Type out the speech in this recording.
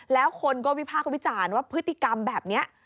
แล้วคนก็วิพากษ์วิจารณ์ว่าพฤติกรรมแบบนี้